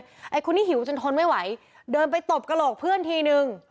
ไอ้คนนี้หิวจนทนไม่ไหวเดินไปตบกระโหลกเพื่อนทีนึง